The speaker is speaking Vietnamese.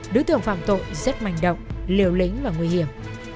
đối tượng phạm tội rất manh động liều lĩnh và nguy hiểm